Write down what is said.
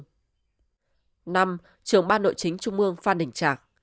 năm chủ nhiệm ủy ban kiểm tra trung ương phan đình trạc